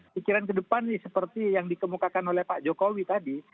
pikiran ke depan nih seperti yang dikemukakan oleh pak jokowi tadi